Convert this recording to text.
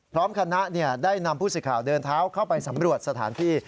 พร้อมคณะได้นำผู้สื่อข่าวเดินเท้าเข้าไปสำรวจสถานที่